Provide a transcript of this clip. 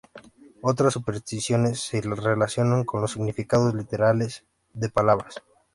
Otras supersticiones se relacionan con los significados literales de palabras.